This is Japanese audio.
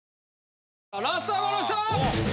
ラストはこの人！